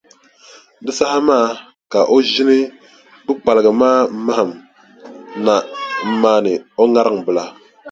Di saha maa ka o ʒini kpukpaliga maa mahim na m-maani o ŋariŋ bila.